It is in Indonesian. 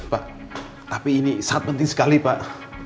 pak tapi ini sangat penting sekali pak